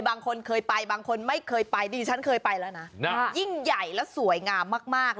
บางคนเคยไปบางคนไม่เคยไปดิฉันเคยไปแล้วนะยิ่งใหญ่และสวยงามมาก